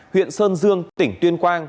huyện sơn dương tỉnh tuyên quang